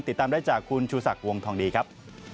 ติดตามได้จากคุณชูศักดิ์วงทองดีครับ